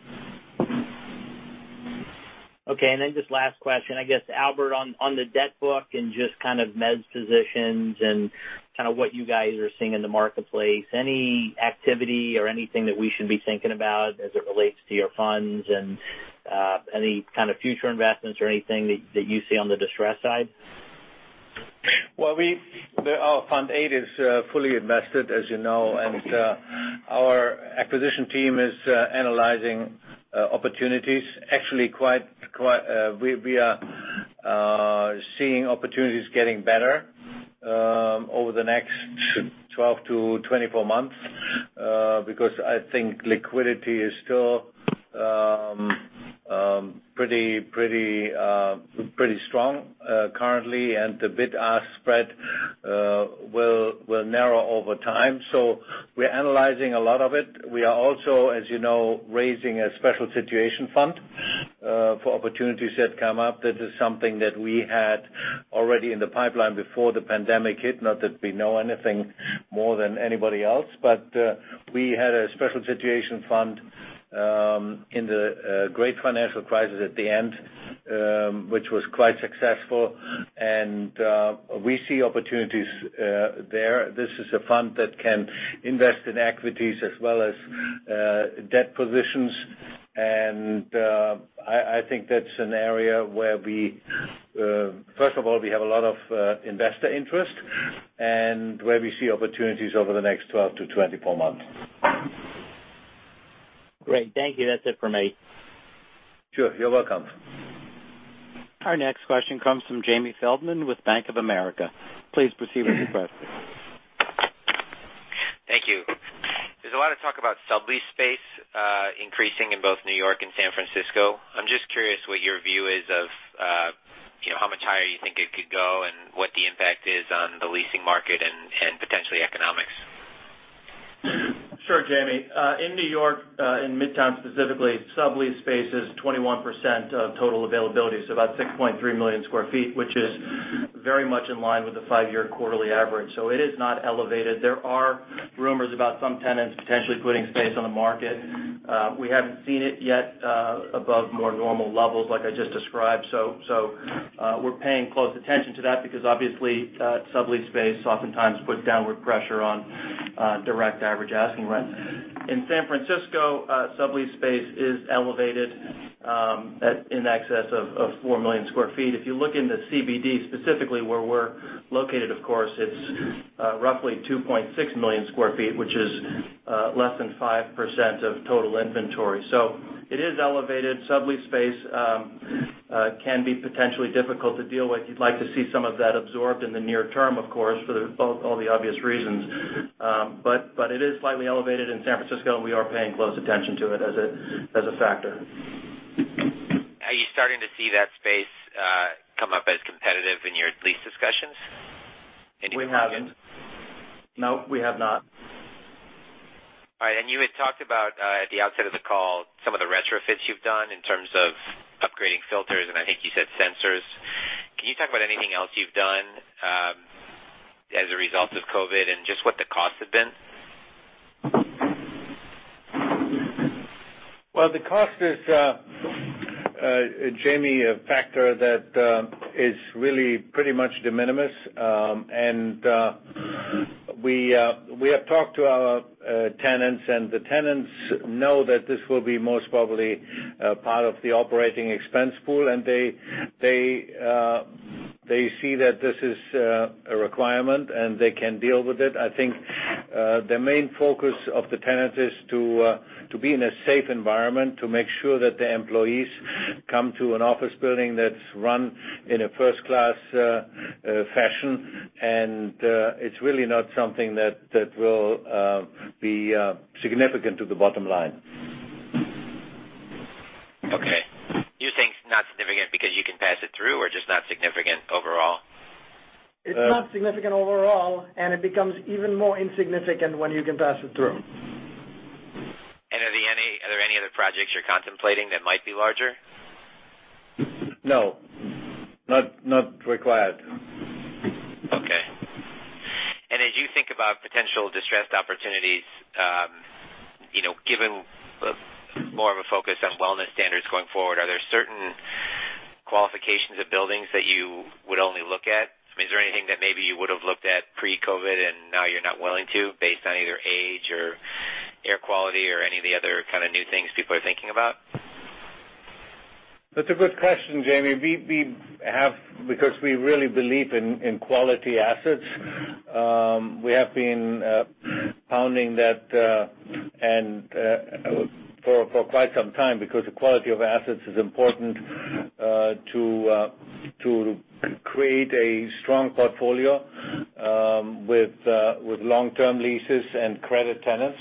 Okay, just last question. I guess, Albert, on the debt book and just kind of mezz positions and kind of what you guys are seeing in the marketplace, any activity or anything that we should be thinking about as it relates to your funds and any kind of future investments or anything that you see on the distressed side? Well, our Fund VIII is fully invested, as you know. Okay. Our acquisition team is analyzing opportunities. Actually, we are seeing opportunities getting better over the next 12-24 months, because I think liquidity is still pretty strong currently and the bid-ask spread will narrow over time. We're analyzing a lot of it. We are also, as you know, raising a special situation fund for opportunities that come up. That is something that we had already in the pipeline before the pandemic hit, not that we know anything more than anybody else. We had a special situation fund in the Great Financial Crisis at the end, which was quite successful. We see opportunities there. This is a fund that can invest in equities as well as debt positions. I think that's an area where we, first of all, we have a lot of investor interest, and where we see opportunities over the next 12 to 24 months. Great. Thank you. That's it for me. Sure. You're welcome. Our next question comes from Jamie Feldman with Bank of America. Please proceed with your question. Thank you. There's a lot of talk about sublease space increasing in both New York and San Francisco. I'm just curious what your view is of how much higher you think it could go and what the impact is on the leasing market and potentially economics? Sure, Jamie. In New York, in Midtown specifically, sublease space is 21% of total availability, so about 6.3 million sq ft, which is very much in line with the five-year quarterly average. It is not elevated. There are rumors about some tenants potentially putting space on the market. We haven't seen it yet above more normal levels like I just described. We're paying close attention to that because obviously, sublease space oftentimes puts downward pressure on direct average asking rents. In San Francisco, sublease space is elevated in excess of 4 million sq ft. If you look in the CBD specifically, where we're located, of course, it's roughly 2.6 million sq ft, which is less than 5% of total inventory. It is elevated. Sublease space can be potentially difficult to deal with. You'd like to see some of that absorbed in the near term, of course, for all the obvious reasons. It is slightly elevated in San Francisco, and we are paying close attention to it as a factor. Are you starting to see that space come up as competitive in your lease discussions? We haven't. No, we have not. All right. You had talked about, at the outset of the call, some of the retrofits you've done in terms of upgrading filters, and I think you said sensors. Can you talk about anything else you've done as a result of COVID and just what the cost has been? Well, the cost is, Jamie, a factor that is really pretty much de minimis. We have talked to our tenants, and the tenants know that this will be most probably part of the operating expense pool, and they see that this is a requirement, and they can deal with it. I think the main focus of the tenants is to be in a safe environment, to make sure that their employees come to an office building that's run in a first-class fashion. It's really not something that will be significant to the bottom line. Okay. You think it's not significant because you can pass it through, or just not significant overall? It's not significant overall, and it becomes even more insignificant when you can pass it through. Are there any other projects you're contemplating that might be larger? No. Not required. About potential distressed opportunities, given more of a focus on wellness standards going forward, are there certain qualifications of buildings that you would only look at? I mean, is there anything that maybe you would've looked at pre-COVID-19 and now you're not willing to based on either age or air quality or any of the other kind of new things people are thinking about? That's a good question, Jamie. Because we really believe in quality assets, we have been pounding that for quite some time because the quality of assets is important to create a strong portfolio with long-term leases and credit tenants.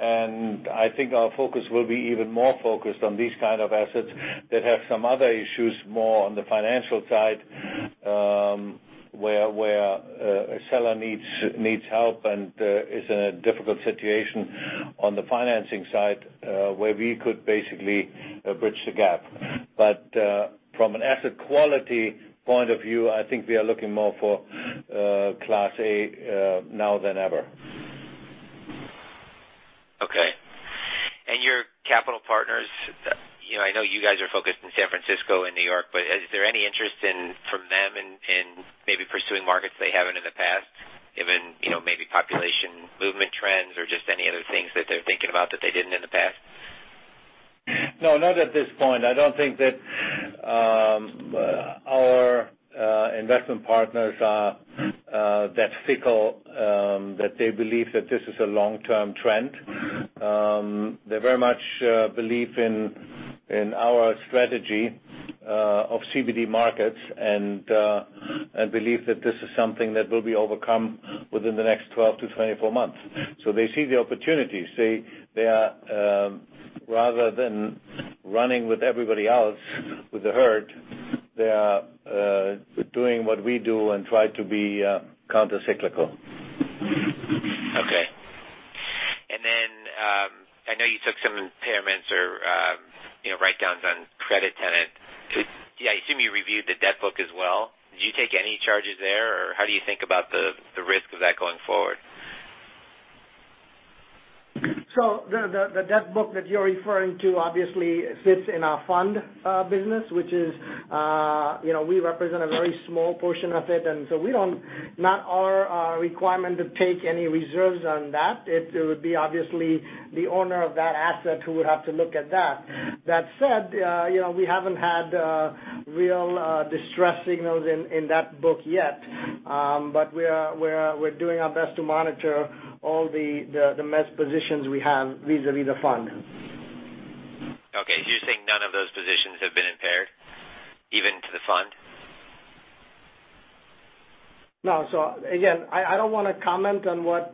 I think our focus will be even more focused on these kind of assets that have some other issues more on the financial side, where a seller needs help and is in a difficult situation on the financing side, where we could basically bridge the gap. From an asset quality point of view, I think we are looking more for Class A now than ever. Okay. Your capital partners, I know you guys are focused in San Francisco and New York, but is there any interest from them in maybe pursuing markets they haven't in the past given maybe population movement trends or just any other things that they're thinking about that they didn't in the past? No, not at this point. I don't think that our investment partners are that fickle, that they believe that this is a long-term trend. They very much believe in our strategy of CBD markets and believe that this is something that will be overcome within the next 12 to 24 months. They see the opportunities. Rather than running with everybody else, with the herd, they are doing what we do and try to be countercyclical. Okay. I know you took some impairments or write-downs on credit tenant. I assume you reviewed the debt book as well. Did you take any charges there, or how do you think about the risk of that going forward? The debt book that you're referring to obviously sits in our fund business, which is, we represent a very small portion of it. Not our requirement to take any reserves on that. It would be obviously the owner of that asset who would have to look at that. That said, we haven't had real distress signals in that book yet. We're doing our best to monitor all the mezz positions we have vis-a-vis the fund. Okay. You're saying none of those positions have been impaired, even to the fund? No. Again, I don't want to comment on what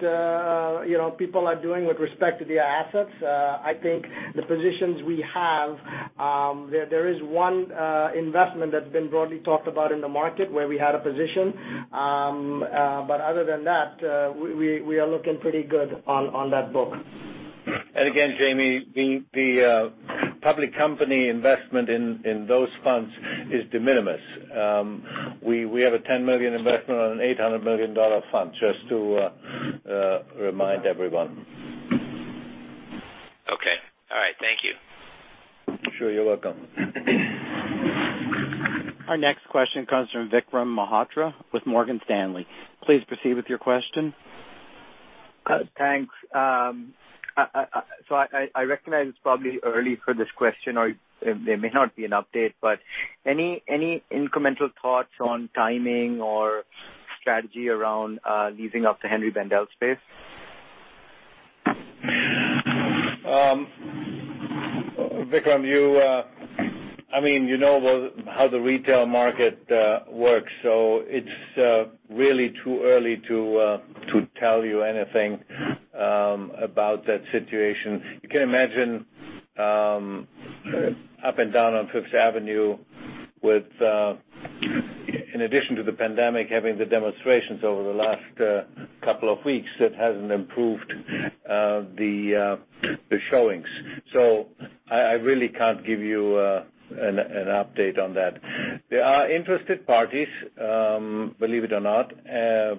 people are doing with respect to their assets. I think the positions we have, there is one investment that's been broadly talked about in the market where we had a position. Other than that, we are looking pretty good on that book. Again, Jamie, the public company investment in those funds is de minimis. We have a $10 million investment on an $800 million fund, just to remind everyone. Okay. All right. Thank you. Sure. You're welcome. Our next question comes from Vikram Malhotra with Morgan Stanley. Please proceed with your question. Thanks. I recognize it's probably early for this question, or there may not be an update, but any incremental thoughts on timing or strategy around leasing up the Henri Bendel space? Vikram, you know how the retail market works. It's really too early to tell you anything about that situation. You can imagine up and down on Fifth Avenue with, in addition to the pandemic, having the demonstrations over the last couple of weeks, that hasn't improved the showings. I really can't give you an update on that. There are interested parties, believe it or not,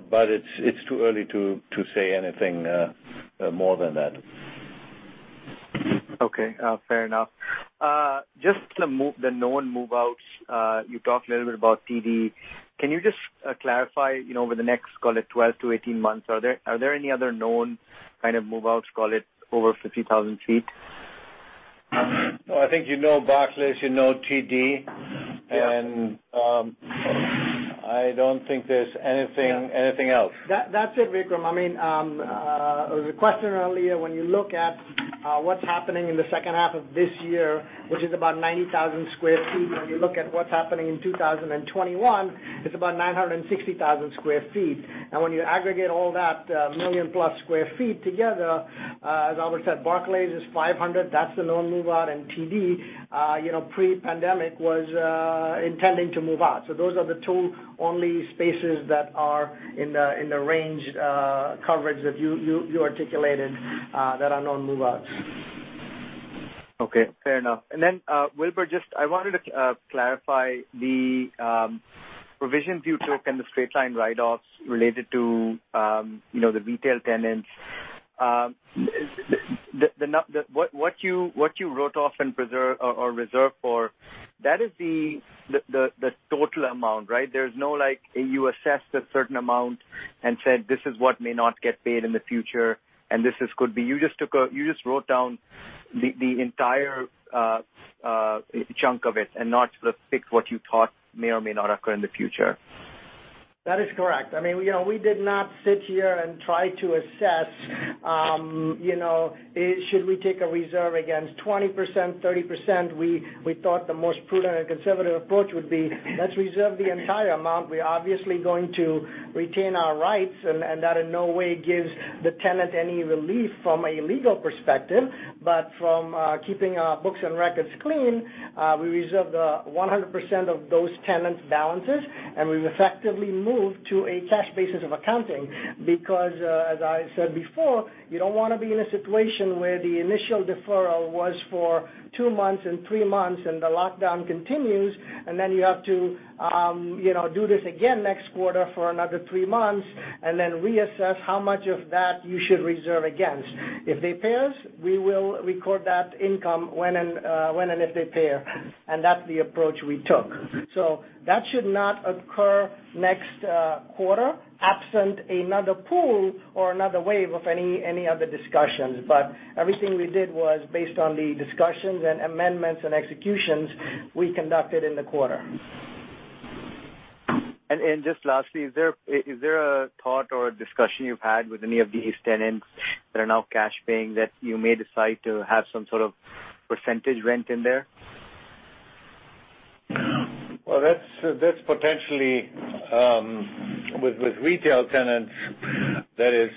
but it's too early to say anything more than that. Okay. Fair enough. Just the known move-outs, you talked a little bit about TD. Can you just clarify, over the next, call it 12 to 18 months, are there any other known kind of move-outs, call it over 50,000 feet? I think you know Barclays, you know TD. Yeah. I don't think there's anything else. That's it, Vikram. There was a question earlier, when you look at what's happening in the second half of this year, which is about 90,000 sq ft. When you look at what's happening in 2021, it's about 960,000 sq ft. When you aggregate all that million-plus square feet together, as Albert said, Barclays is 500. That's the known move-out. TD, pre-pandemic, was intending to move out. Those are the two only spaces that are in the range coverage that you articulated that are known move-outs. Okay, fair enough. Wilbur, I wanted to clarify the provisions you took and the straight-line write-offs related to the retail tenants. What you wrote off and reserved for, that is the total amount, right? There's no like you assessed a certain amount and said, "This is what may not get paid in the future." You just wrote down the entire chunk of it and not sort of picked what you thought may or may not occur in the future. That is correct. We did not sit here and try to assess, should we take a reserve against 20%, 30%? We thought the most prudent and conservative approach would be, let's reserve the entire amount. We're obviously going to retain our rights, and that in no way gives the tenant any relief from a legal perspective. From keeping our books and records clean, we reserved 100% of those tenants' balances, and we've effectively moved to a cash basis of accounting because, as I said before, you don't want to be in a situation where the initial deferral was for two months and three months and the lockdown continues, and then you have to do this again next quarter for another three months and then reassess how much of that you should reserve against. If they pay us, we will record that income when and if they pay us. That's the approach we took. That should not occur next quarter, absent another pool or another wave of any other discussions. Everything we did was based on the discussions and amendments and executions we conducted in the quarter. Just lastly, is there a thought or a discussion you've had with any of these tenants that are now cash paying that you may decide to have some sort of percentage rent in there? Well, that's potentially with retail tenants, that is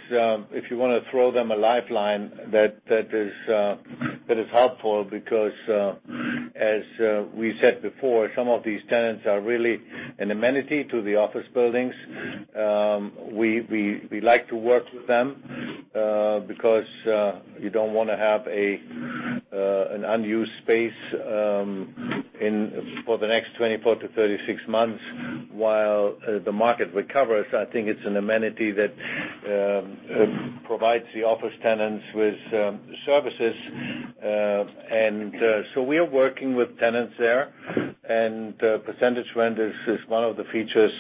if you want to throw them a lifeline, that is helpful because, as we said before, some of these tenants are really an amenity to the office buildings. We like to work with them because you don't want to have an unused space for the next 24 to 36 months while the market recovers. I think it's an amenity that provides the office tenants with services. We are working with tenants there, and percentage rent is one of the features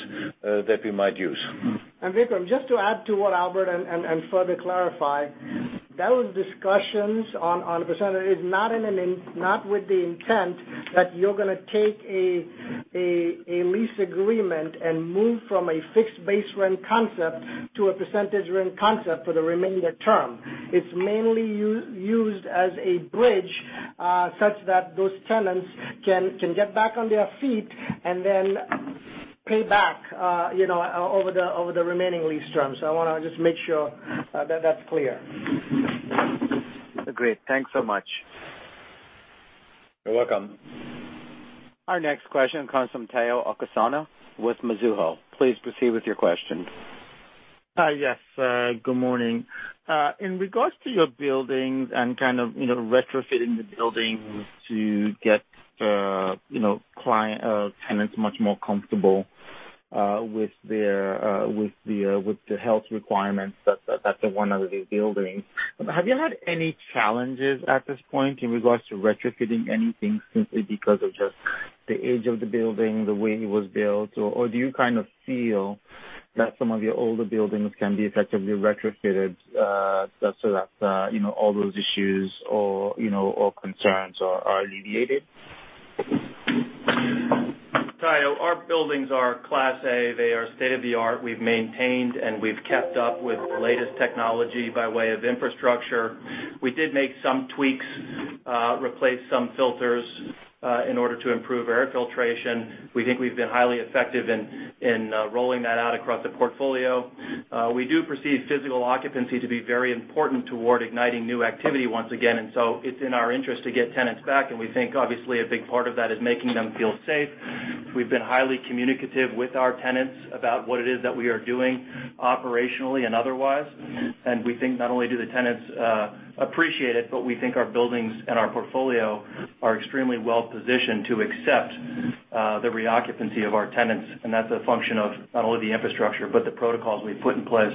that we might use. Vikram, just to add to what Albert and further clarify, those discussions on a percentage is not with the intent that you're going to take a lease agreement and move from a fixed base rent concept to a percentage rent concept for the remainder term. It's mainly used as a bridge such that those tenants can get back on their feet and then pay back over the remaining lease term. I want to just make sure that's clear. Great. Thanks so much. You're welcome. Our next question comes from Tayo Okusanya with Mizuho. Please proceed with your question. Yes. Good morning. In regards to your buildings and kind of retrofitting the buildings to get tenants much more comfortable with the health requirements at the one of these buildings, have you had any challenges at this point in regards to retrofitting anything simply because of just the age of the building, the way it was built? Or do you kind of feel that some of your older buildings can be effectively retrofitted so that all those issues or concerns are alleviated? Tayo, our buildings are Class A. They are state-of-the-art. We've maintained, and we've kept up with the latest technology by way of infrastructure. We did make some tweaks, replaced some filters, in order to improve air filtration. We think we've been highly effective in rolling that out across the portfolio. We do perceive physical occupancy to be very important toward igniting new activity once again, and so it's in our interest to get tenants back, and we think obviously a big part of that is making them feel safe. We've been highly communicative with our tenants about what it is that we are doing operationally and otherwise. We think not only do the tenants appreciate it, but we think our buildings and our portfolio are extremely well-positioned to accept the reoccupancy of our tenants, and that's a function of not only the infrastructure, but the protocols we've put in place.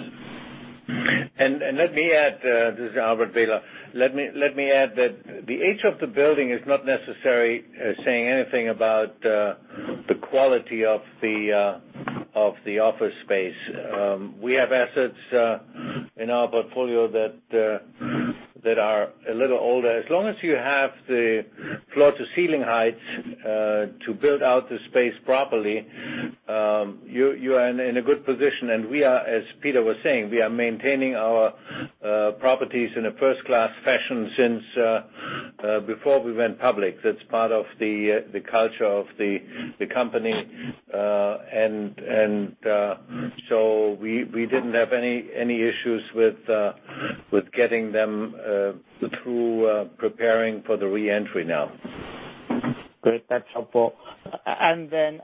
Let me add, this is Albert Behler. Let me add that the age of the building is not necessarily saying anything about the quality of the office space. We have assets in our portfolio that are a little older. As long as you have the floor to ceiling height to build out the space properly, you are in a good position. We are, as Peter was saying, we are maintaining our properties in a first-class fashion since before we went public. That's part of the culture of the company. We didn't have any issues with getting them through preparing for the re-entry now. Great. That's helpful. I may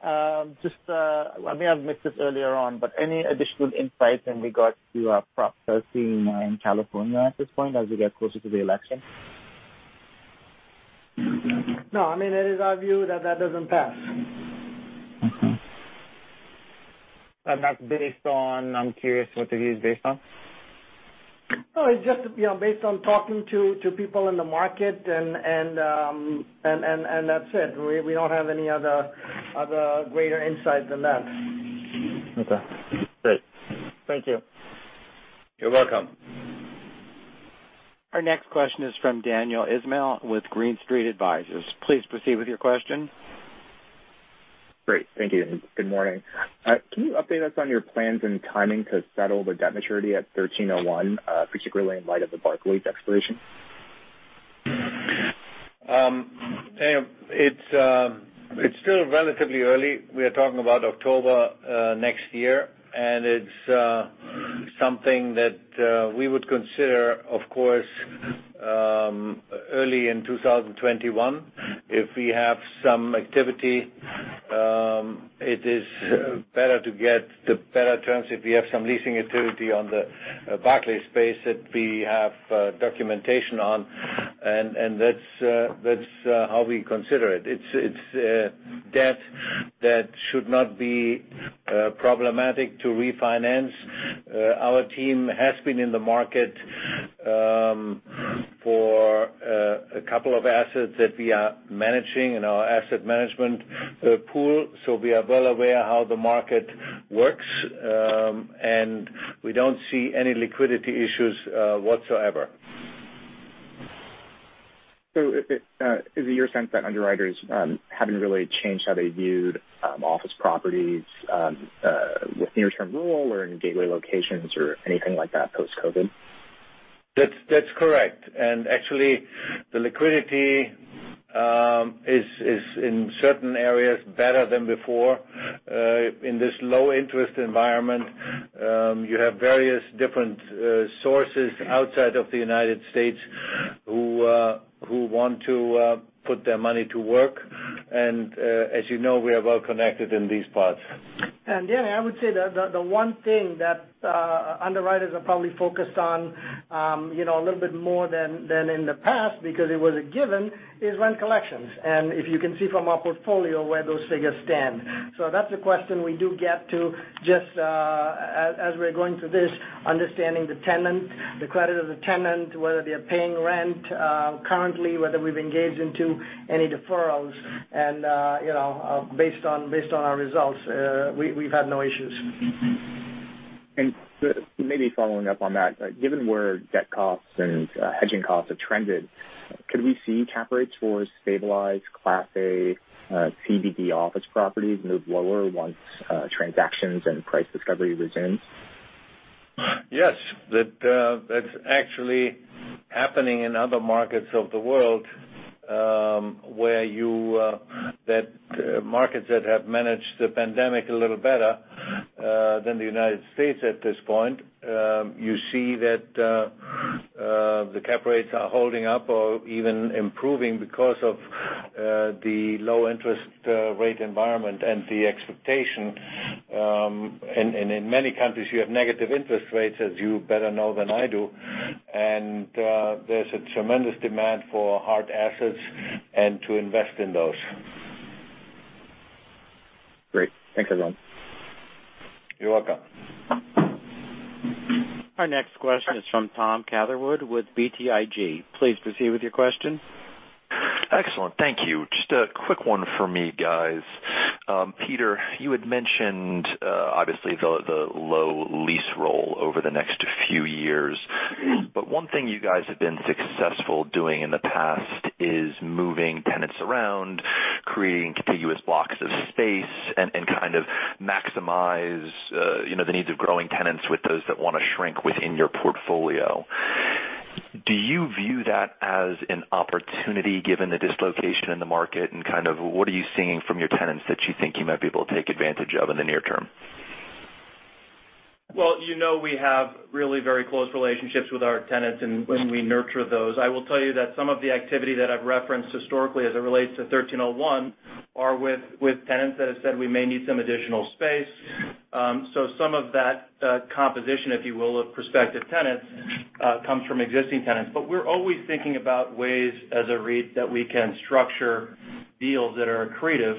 have missed this earlier on, but any additional insight in regards to Proposition 13 in California at this point as we get closer to the election? No. It is our view that that doesn't pass. Mm-hmm. That's based on, I'm curious what that is based on? Oh, it's just based on talking to people in the market, and that's it. We don't have any other greater insight than that. Okay, great. Thank you. You're welcome. Our next question is from Daniel Ismail with Green Street Advisors. Please proceed with your question. Great, thank you. Good morning. Can you update us on your plans and timing to settle the debt maturity at 1301, particularly in light of the Barclays [exploration]? It's still relatively early. We are talking about October 2021, and it's something that we would consider, of course, early in 2021. If we have some activity, it is better to get the better terms if we have some leasing activity on the Barclays space that we have documentation on. That's how we consider it. It's debt that should not be problematic to refinance. Our team has been in the market for a couple of assets that we are managing in our asset management pool, so we are well aware how the market works. We don't see any liquidity issues whatsoever. Is it your sense that underwriters haven't really changed how they viewed office properties with near-term roll or in gateway locations or anything like that post-COVID? That's correct. Actually, the liquidity is in certain areas better than before. In this low-interest environment, you have various different sources outside of the United States who want to put their money to work. As you know, we are well connected in these parts. Danny, I would say the one thing that underwriters are probably focused on a little bit more than in the past, because it was a given, is rent collections. If you can see from our portfolio where those figures stand. That's a question we do get to, just as we're going through this, understanding the tenant, the credit of the tenant, whether they're paying rent currently, whether we've engaged into any deferrals, and based on our results, we've had no issues. Maybe following up on that, given where debt costs and hedging costs have trended, could we see cap rates for stabilized Class A CBD office properties move lower once transactions and price discovery resumes? Yes. That's actually happening in other markets of the world, markets that have managed the pandemic a little better than the U.S. at this point. You see that the cap rates are holding up or even improving because of the low interest rate environment and the expectation. In many countries, you have negative interest rates, as you better know than I do. There's a tremendous demand for hard assets and to invest in those. Great. Thanks, everyone. You're welcome. Our next question is from Tom Catherwood with BTIG. Please proceed with your question. Excellent. Thank you. Just a quick one for me, guys. Peter, you had mentioned, obviously, the low lease roll over the next few years. One thing you guys have been successful doing in the past is moving tenants around, creating contiguous blocks of space, and kind of maximize the needs of growing tenants with those that want to shrink within your portfolio. Do you view that as an opportunity, given the dislocation in the market, and what are you seeing from your tenants that you think you might be able to take advantage of in the near term? Well, you know we have really very close relationships with our tenants, and we nurture those. I will tell you that some of the activity that I've referenced historically as it relates to 1301 are with tenants that have said we may need some additional space. Some of that composition, if you will, of prospective tenants comes from existing tenants. We're always thinking about ways as a REIT that we can structure deals that are accretive.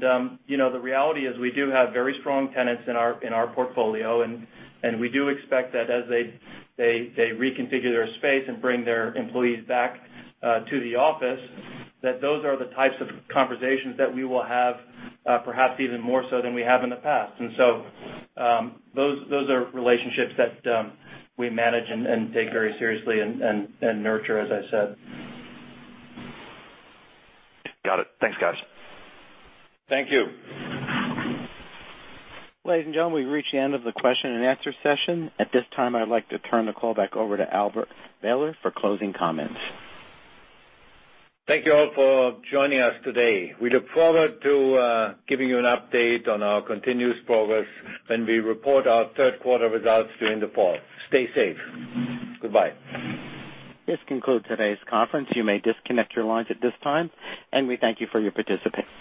The reality is we do have very strong tenants in our portfolio, and we do expect that as they reconfigure their space and bring their employees back to the office, that those are the types of conversations that we will have, perhaps even more so than we have in the past. Those are relationships that we manage and take very seriously and nurture, as I said. Got it. Thanks, guys. Thank you. Ladies and gentlemen, we've reached the end of the question and answer session. At this time, I'd like to turn the call back over to Albert Behler for closing comments. Thank you all for joining us today. We look forward to giving you an update on our continuous progress when we report our third quarter results during the fall. Stay safe. Goodbye. This concludes today's conference. You may disconnect your lines at this time, and we thank you for your participation.